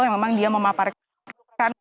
yang memang dia memaparkan